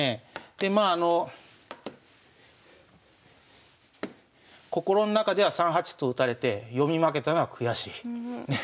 でまああの心の中では３八歩と打たれて読み負けたのは悔しい。ね。